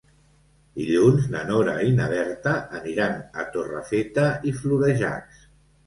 Dilluns na Nora i na Berta aniran a Torrefeta i Florejacs.